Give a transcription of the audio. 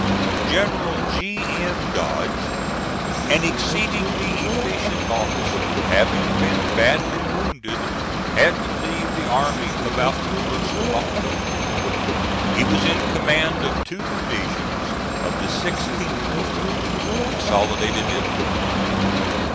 General G. M. Dodge, an exceedingly efficient officer, having been badly wounded, had to leave the army about the first of October. He was in command of two divisions of the 16th corps, consolidated into one.